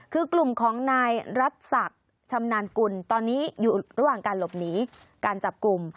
คือกลุ่มของนายรัฐศักดิ์ชำนาญกุลตอนนี้อยู่ระหว่างการหลบหนีการจับกลุ่ม